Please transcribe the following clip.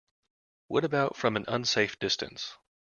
What about from an unsafe distance?